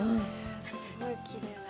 すごいきれいな。